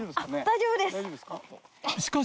大丈夫ですか？